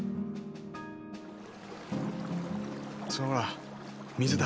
そうら水だ。